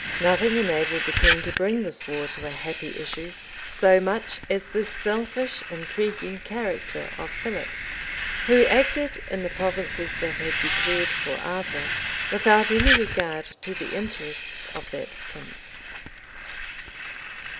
{1200.} Nothing enabled the king to bring this war to a happy issue so much as the selfish, intriguing character of Philip, who acted, in the provinces that had declared for Arthur, without any regard to the interests of that prince.